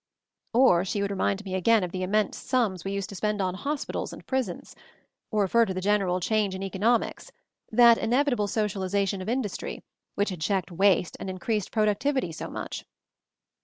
Or she would remind me again of the im mense sums we used to spend on hospitals and prisons; or refer to the general change in economics, that inevitable socialization of »' industry, which had checked waste and in J creased productivity so much.